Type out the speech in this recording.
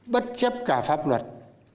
bất chấp cả pháp luật